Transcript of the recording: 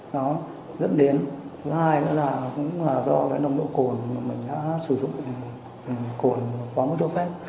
nó dẫn đến thứ hai nữa là cũng là do cái nồng độ cồn mà mình đã sử dụng cồn quá mức cho phép